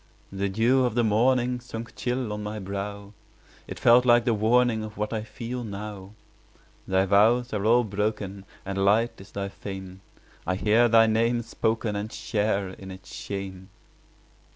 The dew of the morning Sunk chill on my brow— 10 It felt like the warning Of what I feel now. Thy vows are all broken, And light is thy fame: I hear thy name spoken, 15 And share in its shame.